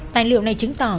tài liệu này chứng tỏ